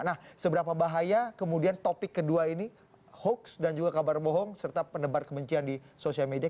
nah seberapa bahaya kemudian topik kedua ini hoax dan juga kabar bohong serta penebar kebencian di sosial media